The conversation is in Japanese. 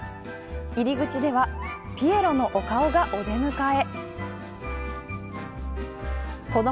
入り口ではピエロのお顔がお出迎え。